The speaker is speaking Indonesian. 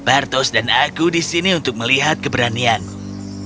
artos dan aku di sini untuk melihat keberanianmu